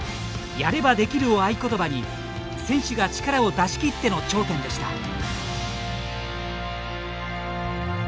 「やれば出来る」を合言葉に選手が力を出し切っての頂点でした。